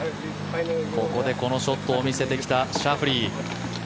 ここでこのショットを見せてきたシャフリー。